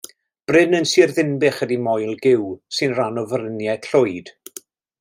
Bryn yn Sir Ddinbych ydy Moel Gyw, sy'n rhan o Fryniau Clwyd.